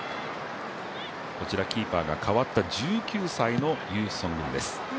こちらキーパーが代わった１９歳のユン・ソンニョルです。